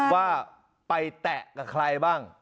ว่าไปแตะกับใครบ้าง